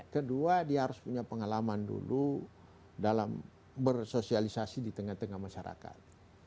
kedua dia harus punya pengalaman dulu dalam bersosialisasi di tengah tengah masyarakat